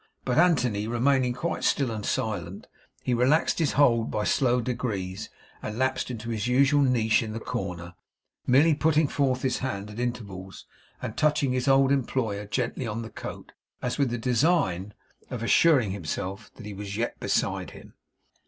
But, Anthony remaining quite still and silent, he relaxed his hold by slow degrees and lapsed into his usual niche in the corner; merely putting forth his hand at intervals and touching his old employer gently on the coat, as with the design of assuring himself that he was yet beside him.